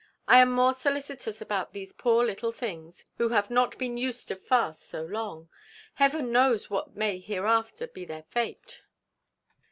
I am more solicitous about these poor little things, who have not been used to fast so long. Heaven knows what may hereafter be their fate!"